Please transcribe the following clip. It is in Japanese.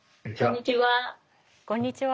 こんにちは。